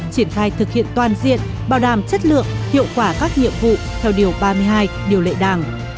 triển khai thực hiện toàn diện bảo đảm chất lượng hiệu quả các nhiệm vụ theo điều ba mươi hai điều lệ đảng